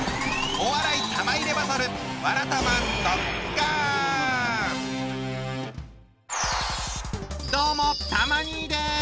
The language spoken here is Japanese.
お笑い玉入れバトルどうもたま兄です。